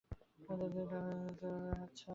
তোমার সুখ্যাতি Mr Xavier তাঁর পত্রে করেছেন।